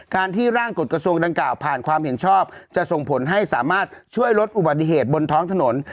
การที่ร่างกฎกระทรวงดังกล่าวผ่านความเห็นชอบจะส่งผลให้สามารถช่วยลดอุบัติเหตุบนท้องถนน